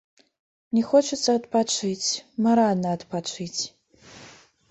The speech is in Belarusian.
Мне хочацца адпачыць, маральна адпачыць.